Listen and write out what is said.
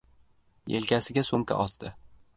Yelkasiga sumka osdi.